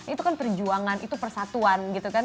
itu kan perjuangan itu persatuan gitu kan